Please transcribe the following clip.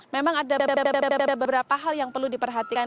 memang ada beberapa hal yang perlu diperhatikan